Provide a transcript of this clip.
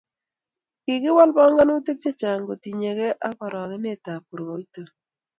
Kikiwal panganutik chechang kotinyei ak orogonetab koroito